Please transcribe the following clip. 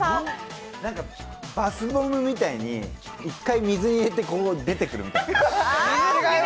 バスボムみたいに一回水に入れて出てくるみたいな。